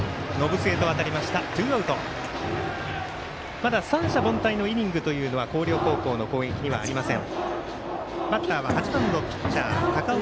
まだ三者凡退のイニングというのは広陵高校の攻撃にはありません。